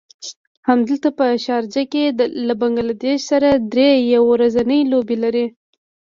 همدلته په شارجه کې له بنګله دېش سره دری يو ورځنۍ لوبې لري.